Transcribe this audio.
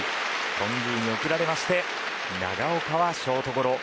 頓宮に送られまして長岡はショートゴロ。